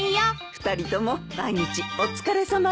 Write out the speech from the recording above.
２人とも毎日お疲れさまです。